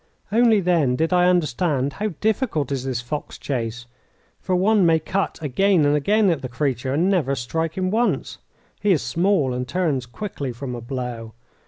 Only then did I understand how difficult is this fox chase, for one may cut again and again at the creature and never strike him once. He is small, and turns quickly from a blow.